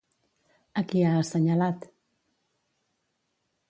A qui ha assenyalat?